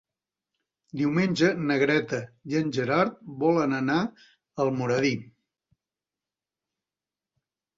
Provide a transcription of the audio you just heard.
Diumenge na Greta i en Gerard volen anar a Almoradí.